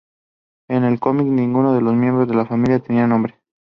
En los comics, ninguno de los miembros de la familia tenía nombres.